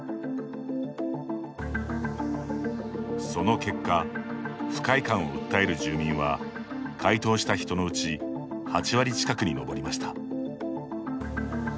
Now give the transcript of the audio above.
その結果、不快感を訴える住民は回答した人のうち８割近くに上りました。